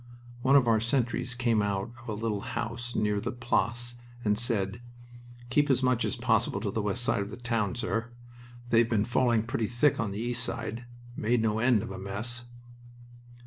One of our sentries came out of a little house near the Place and said: "Keep as much as possible to the west side of the town, sir. They've been falling pretty thick on the east side. Made no end of a mess!"